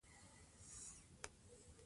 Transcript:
لیکوال له خپل مسؤلیت څخه خبر دی.